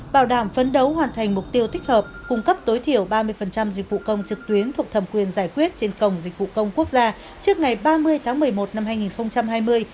bảo đảm phấn đấu hoàn thành mục tiêu thích hợp cung cấp tối thiểu ba mươi dịch vụ công trực tuyến thuộc thẩm quyền giải quyết trên cổng dịch vụ công quốc gia trước ngày ba mươi tháng một mươi một năm hai nghìn hai mươi